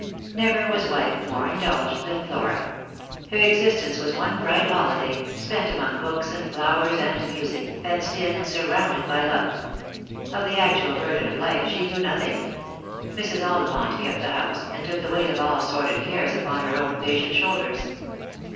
Never was wife more indulged than Flora. Her existence was one bright holiday, spent among books and flowers and music, fenced in and surrounded by love. Of the actual burden of life she knew nothing. Mrs. Ollivant kept the house, and took the weight of all sordid caies upon her own patient shoulders.